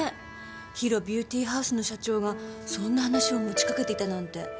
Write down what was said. ＨＩＲＯビューティーハウスの社長がそんな話を持ちかけていたなんて。